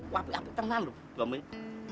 wah api api terenang loh bom ini